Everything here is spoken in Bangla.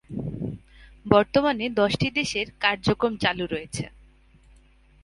বর্তমানে দশটি দেশের এর কার্যক্রম চালু রয়েছে।